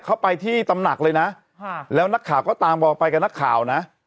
เข้าไปที่ตำหนักเลยนะแล้วนักข่าวก็ตามวอลไปกับนักข่าวนะ